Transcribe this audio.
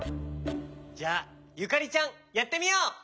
じゃあゆかりちゃんやってみよう！